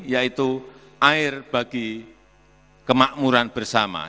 yaitu air bagi kemakmuran bersama